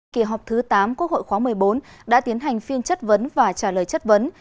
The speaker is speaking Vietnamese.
kỳ họp thứ tám quốc hội khóa một mươi bốn đã tiến hành phiên chất vấn và trả lời chất vấn